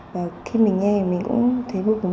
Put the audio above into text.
và khi mình nghe mình cũng thấy vô cùng